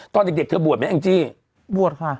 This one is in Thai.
ตอนเด็กเธอบวชไหมแองจี้บวชค่ะ